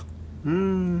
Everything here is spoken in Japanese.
うん。